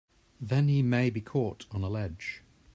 Then he may be caught on a ledge!